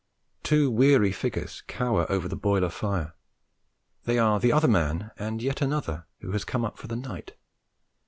Two weary figures cower over the boiler fire; they are the other man and yet another who has come up for the night.